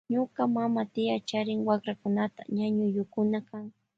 Ñuka mama tia charin wakrakunata ñañuyukuna kan.